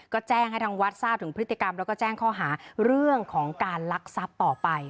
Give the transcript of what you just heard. ก็แจ้งให้ทางวัดทราบถึงพฤติกรรมแล้วก็แจ้งข้อหาเรื่องของการลักทรัพย์ต่อไป